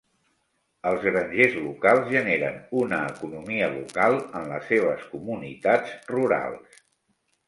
Els grangers locals generen una economia local en les seves comunitats rurals.